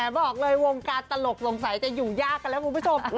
บอกเลยวงการตลกสงสัยจะอยู่ยากกันแล้วคุณผู้ชม